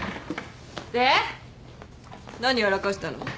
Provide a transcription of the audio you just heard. で何やらかしたの？